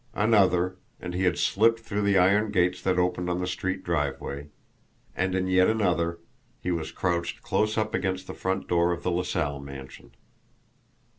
Another, and he had slipped through the iron gates that opened on the street driveway and in yet another he was crouched close up against the front door of the LaSalle mansion.